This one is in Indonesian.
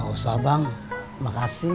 gak usah bang makasih